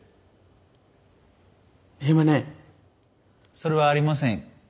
それはありません。